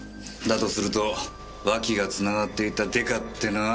だとすると脇がつながっていたデカってのは。